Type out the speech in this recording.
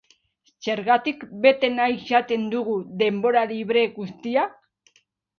Zergatik bete nahi izaten dugu denbora libre guztia?